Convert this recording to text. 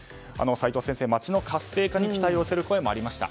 齋藤先生、街の活性化に期待を寄せる声もありました。